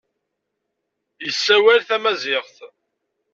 Yessawal tamaziɣt.